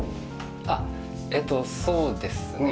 えっとそうですね。